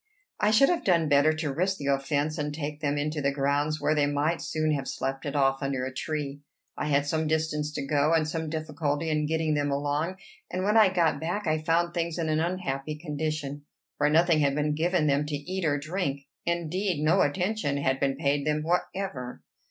I should have done better to risk the offence, and take them into the grounds, where they might soon have slept it off under a tree. I had some distance to go, and some difficulty in getting them along; and when I got back I found things in an unhappy condition, for nothing had been given them to eat or drink, indeed, no attention, had been paid them whatever.